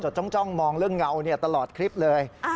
จ้องมองเรื่องเงาตลอดคลิปเลย